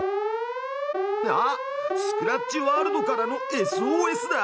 あっスクラッチワールドからのＳＯＳだ！